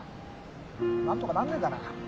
何とかなんねえかな